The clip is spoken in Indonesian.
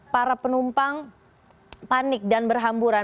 para penumpang panik dan berhamburan